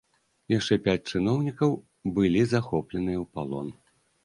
Яшчэ пяць чыноўнікаў былі захопленыя ў палон.